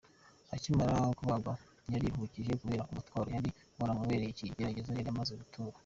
Akimara kubagwa yariruhukije kubera umutwaro wari waramubereye ikigeragezo yari amaze gutura.